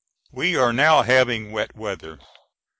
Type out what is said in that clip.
We are now having wet weather.